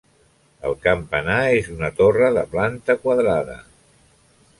El campanar és una torre de planta quadrada.